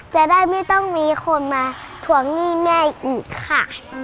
จะได้ไม่ต้องมีคนมาถวงหนี้แม่อีกค่ะ